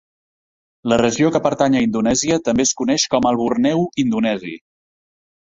La regió que pertany a Indonèsia també es coneix com el Borneo indonesi.